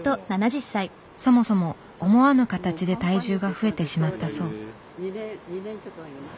そもそも思わぬ形で体重が増えてしまったそう。